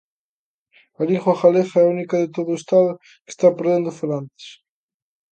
A lingua galega é a única de todo o Estado que está perdendo falantes.